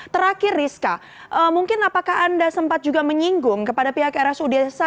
terakhir rizka mungkin apakah anda sempat juga menyinggung kepada pihak rsud